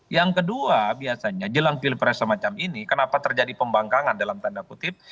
yang kedua biasanya jelang pilpres semacam ini kenapa terjadi pembangkangan dalam tanda kutip